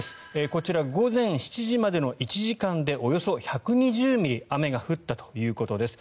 こちらは午前７時までの１時間でおよそ１２０ミリ雨が降ったということです。